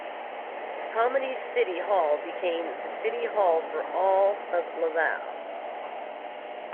Chomedey's city hall became the city hall for all of Laval.